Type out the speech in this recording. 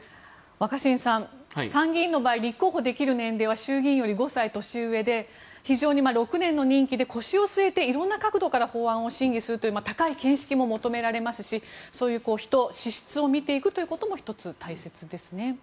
若新さん、参議院の場合立候補できる年齢は衆議院より５歳年上で非常に６年の任期で腰を据えて色んな角度から法案を審議するという高い見識も求められますしそういう人、資質を見ていくことも大切ですね。